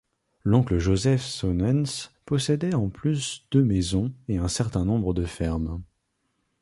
L’oncle Joseph Soenens possédait en plus deux maisons et un certain nombre de fermes.